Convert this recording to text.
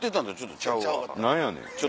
何やねん。